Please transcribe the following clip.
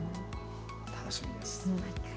楽しみです。